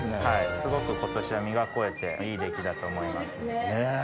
すごく今年は実が肥えていい出来だと思います。